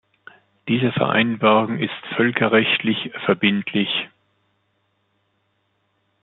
Diese Vereinbarung ist völkerrechtlich verbindlich.